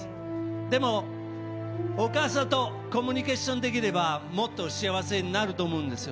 でも、お母さんとコミュニケーションできればもっと幸せになると思うんですよ。